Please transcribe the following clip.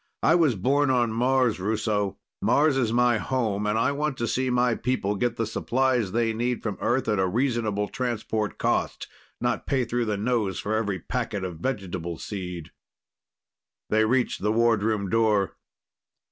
I was born on Mars, Russo. Mars is my home, and I want to see my people get the supplies they need from Earth at a reasonable transport cost, not pay through the nose for every packet of vegetable seed." They reached the wardroom door.